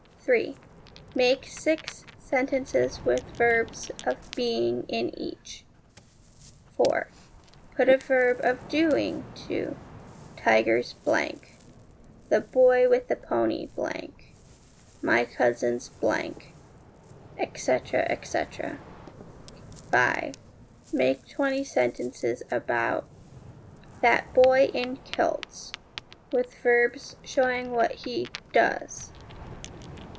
3. Make six sentences with verbs of being in each. 4. Put a verb of doing to Tigers . The boy with the pony . My cousins ; etc., etc. 5. Make twenty sentences about That boy in kilts, with verbs showing what he does.